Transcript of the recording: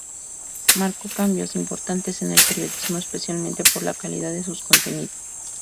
Marcó cambios importantes en el periodismo, especialmente por la calidad de sus contenidos.